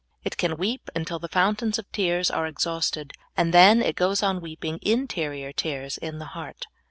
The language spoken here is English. It can weep until the fountains of tears are exhausted, and then it goes on weeping interior tears in the heart.